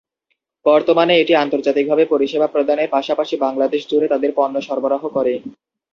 বর্তমানে এটি আন্তর্জাতিকভাবে পরিষেবা প্রদানের পাশাপাশি বাংলাদেশ জুড়ে তাদের পণ্য সরবরাহ করে।